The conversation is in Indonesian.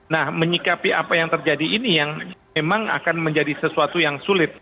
nah menyikapi apa yang terjadi ini yang memang akan menjadi sesuatu yang sulit